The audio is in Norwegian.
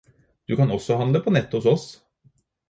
Du kan også handle på nettet hos oss.